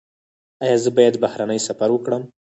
ایا زه باید بهرنی سفر وکړم؟